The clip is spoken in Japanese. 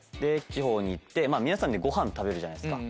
地方に行って皆さんでごはん食べるじゃないですか。